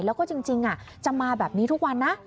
แล้วก็จริงจะมาแบบนี้ทุกวันนะ